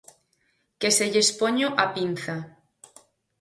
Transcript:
Que se lles poño a pinza.